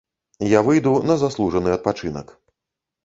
Я выйду на заслужаны адпачынак.